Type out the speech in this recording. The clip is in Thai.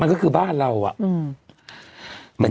มันก็คือบ้านเราอะ